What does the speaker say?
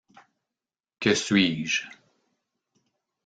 Que suis-je?